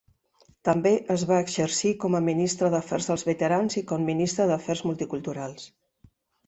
També es va exercir com a ministre d'Afers dels Veterans i com ministre d'Afers Multiculturals.